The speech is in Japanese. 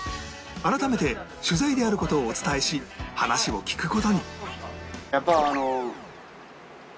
改めて取材である事をお伝えし話を聞く事に